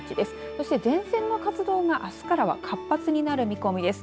そして、前線の活動があすからは活発になる見込みです。